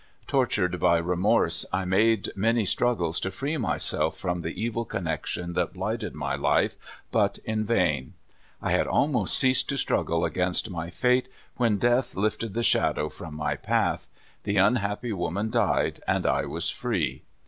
Tortured by remorse, I made many struggles to free myself from the evil connection that blighted my life, but in vain. I had almost ceased to struggle against my fate, when death lifted the shadow from my path. The unhappy woman died, and I w^as free.